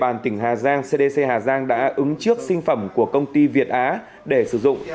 địa bàn tỉnh hà giang cdc hà giang đã ứng trước sinh phẩm của công ty việt á để sử dụng